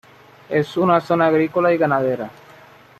Es una zona agrícola y ganadera.